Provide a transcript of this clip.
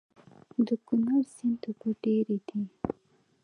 د کونړ سيند اوبه ډېرې دي